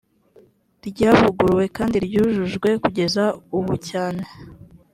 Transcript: ryavuguruwe kandi ryujujwe kugeza ubu cyane